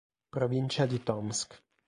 Provincia di Tomsk